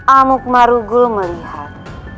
amuk marugul melihat